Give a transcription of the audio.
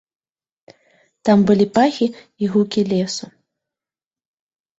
Там былі пахі і гукі лесу.